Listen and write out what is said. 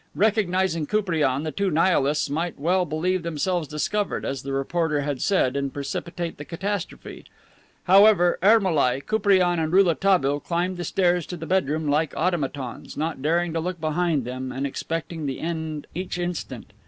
Recognizing Koupriane, the two Nihilists might well believe themselves discovered, as the reporter had said, and precipitate the catastrophe. However, Ermolai, Koupriane and Rouletabille climbed the stairs to the bedroom like automatons, not daring to look behind them, and expecting the end each instant.